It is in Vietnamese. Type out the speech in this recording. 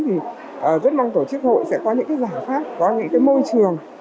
thì rất mong tổ chức hội sẽ có những cái giải pháp có những môi trường